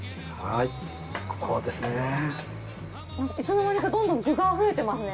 いつの間にかどんどん具が増えてますね。